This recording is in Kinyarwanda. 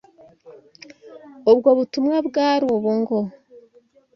Ubwo butumwa bwari ubu ngo